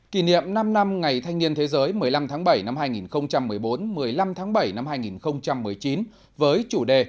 kỷ niệm năm năm ngày thanh niên thế giới một mươi năm tháng bảy năm hai nghìn một mươi bốn một mươi năm tháng bảy năm hai nghìn một mươi chín với chủ đề